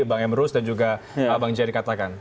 bang emrus dan juga bang jerry katakan